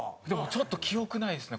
ちょっと記憶ないですね